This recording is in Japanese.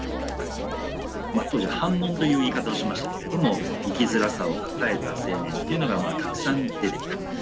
当時は「煩悶」という言い方をしましたけれども生きづらさを抱えた青年っていうのがたくさん出てきた。